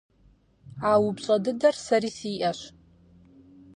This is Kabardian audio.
А упщӏэ дыдэр сэри сиӏэщ.